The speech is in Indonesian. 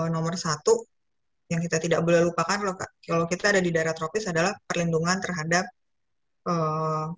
nomor satu yang kita tidak boleh lupakan kalau kita ada di daerah tropis adalah perlindungan terhadap ee